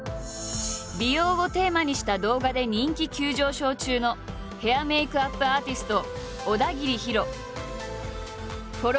美容をテーマにした動画で人気急上昇中のヘア＆メイクアップアーティスト小田切ヒロ。